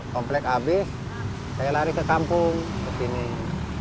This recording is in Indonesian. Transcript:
komplek habis saya lari ke kampung